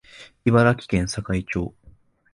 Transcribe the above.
茨城県境町